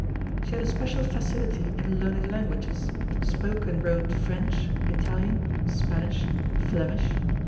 She had a special facility in learning languages; spoke and wrote French, Italian, Spanish, Flemish.